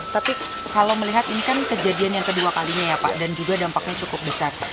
tapi kalau melihat ini kan kejadian yang kedua kalinya ya pak dan juga dampaknya cukup besar